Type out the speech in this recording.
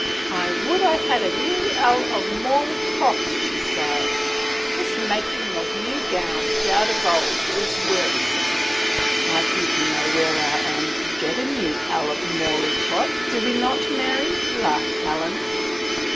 " I would I had a new ell of mawley cloth," she sighed. " This mak ing new gowns out of old is wearisome." " I think ^we know where our Anne could get a new ell of mawley cloth, do we not, Mary ?" laughed Helen.